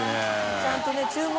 ちゃんとね注文。